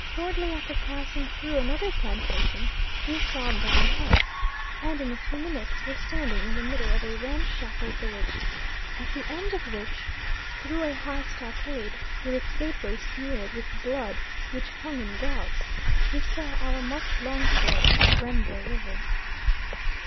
Shortly after passing through another plantation, we saw brown huts, and in a few minutes were standing in the middle of a ramshackle village, at the end of which, through a high stockade, with its gateway smeared with blood which hung in gouts, we saw our much longed for Rembwe River.